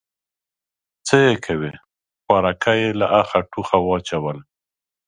_څه يې کوې، خوارکی يې له اخه ټوخه واچوله.